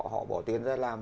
họ bỏ tiền ra làm